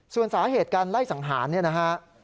ส่วนสาเหตุการไล่สังหารเนี่ยนะฮะ